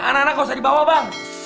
anak anak gausah dibawa bang